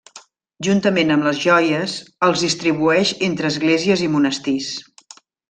Juntament amb les joies, els distribueix entre esglésies i monestirs.